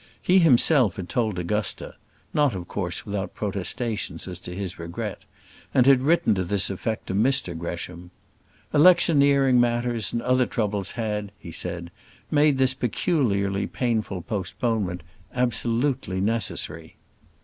He himself had told Augusta not, of course, without protestations as to his regret and had written to this effect to Mr Gresham, "Electioneering matters, and other troubles had," he said, "made this peculiarly painful postponement absolutely necessary."